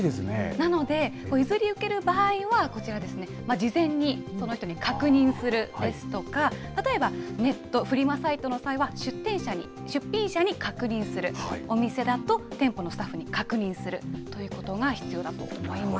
なので、譲り受ける場合はこちらですね、事前にその人に確認するですとか、例えばネット、フリマの際は出品者に確認する、お店だと店舗のスタッフに確認するということが必要だと思います。